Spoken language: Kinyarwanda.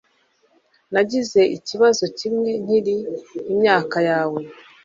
Nagize ikibazo kimwe nkiri imyaka yawe.